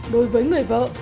đối với người vợ